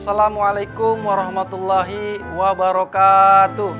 assalamualaikum warahmatullahi wabarakatuh